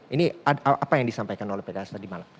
ini apa yang disampaikan oleh pks tadi malam